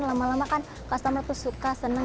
lama lama kan customer tuh suka senang